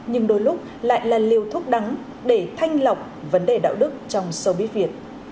nhưng đôi lúc lại là liều thúc đắng để thanh lọc vấn đề đạo đức trong showbiz việt